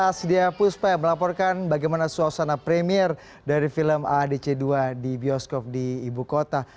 baik terima kasih prasidya puspa yang melaporkan bagaimana suasana premiere dari film aadc dua di bioskop di jakarta